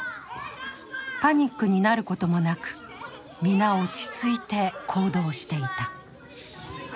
パニックになることもなく皆、落ち着いて行動していた。